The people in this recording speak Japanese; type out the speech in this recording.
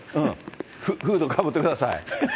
フードかぶってください。